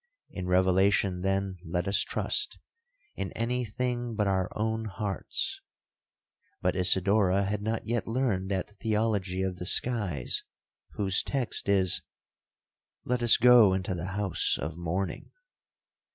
In revelation, then, let us trust—in any thing but our own hearts. But Isidora had not yet learned that theology of the skies, whose text is, 'Let us go into the house of mourning.'